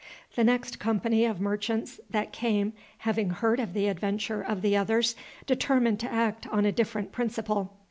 The next company of merchants that came, having heard of the adventure of the others, determined to act on a different principle.